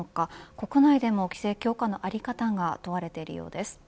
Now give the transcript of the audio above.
国内でも規制強化の在り方が問われているようです。